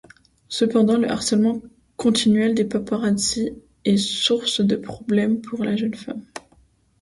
Cependant, le harcèlement continuel des paparazzis est source de problèmes pour la jeune femme.